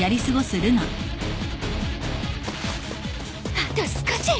あと少し！